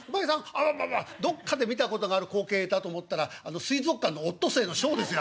どっかで見たことがある光景だと思ったら水族館のオットセイのショーですよ